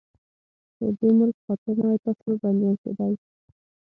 که د دې ملک خاطر نه وای، تاسې به بنديان کېدئ.